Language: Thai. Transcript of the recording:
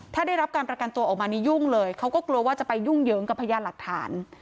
ถ้าได้รับการประกันตัวออกมานี่ยุ่งเลยเขาก็กลัวว่าจะไปยุ่งเหยิงกับพยานหลักฐาน